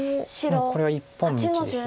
これは一本道ですよね。